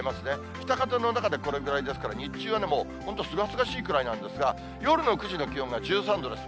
北風の中でこれくらいですから、日中は本当、すがすがしいくらいなんですが、夜の９時の気温が１３度です。